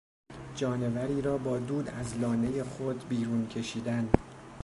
جانوری را با دود از لانهی خود بیرون کشیدن